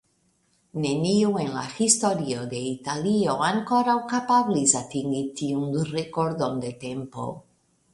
Neniu en la historio de Italio ankoraŭ kapablis atingi tiun rekordon de tempo.